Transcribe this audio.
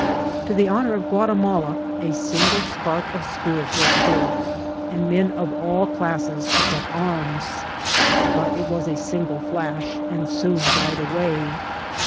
To the honour of Guatimala, a single qpark of qpirit broke forth, and men of all classes took up arms ; but it was a single flash, and soon died away.